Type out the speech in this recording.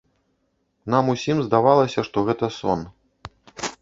Нам усім здавалася, што гэта сон.